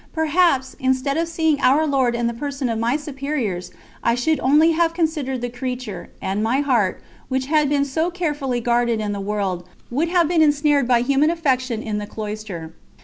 Perhaps, instead of seeing Our Lord in the person of my superiors, I should only have considered the creature, and my heart, which had been so carefully guarded in the world, would have been ensnared by human affection in the cloister.